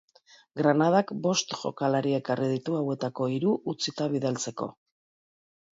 Granadak bost jokalari ekarri ditu hauetako hiru utzita bidaltzeko.